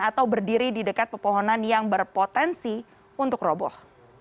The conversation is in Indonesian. atau berdiri di dekat pepohonan yang berpotensi untuk roboh